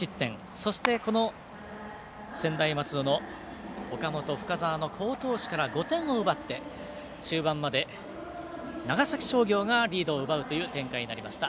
そして、専大松戸の岡本、深沢の好投手から５点を奪って、中盤まで長崎商業がリードを奪うという展開になりました。